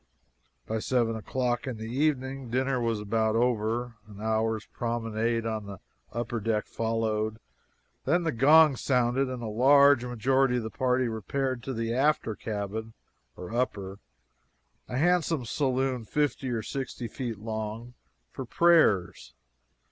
By 7 o'clock in the evening, dinner was about over; an hour's promenade on the upper deck followed; then the gong sounded and a large majority of the party repaired to the after cabin (upper), a handsome saloon fifty or sixty feet long, for prayers.